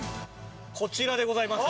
こちらでございます。